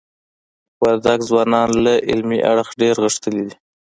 وردګ ځوانان له علمی اړخ دير غښتلي دي.